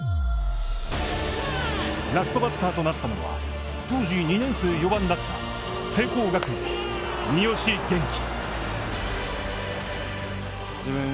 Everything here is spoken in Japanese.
ラストバッターとなったのは当時２年生、４番だった聖光学院・三好元気。